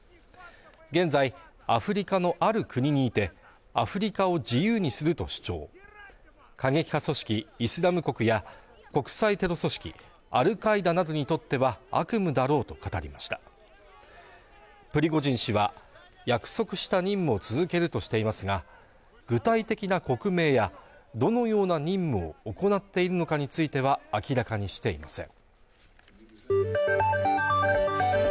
現在アフリカのある国にいてアフリカを自由にすると主張過激派組織イスラム国や国際テロ組織アルカイダなどにとっては悪夢だろうと語りましたプリゴジン氏は約束した任務を続けるとしていますが具体的な国名やどのような任務を行っているのかについては明らかにしていません